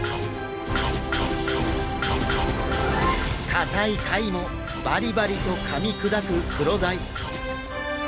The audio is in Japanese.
硬い貝もバリバリとかみ砕くクロダイ。